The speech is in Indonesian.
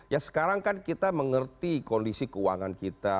ya sekarang kan kita mengerti kondisi keuangan kita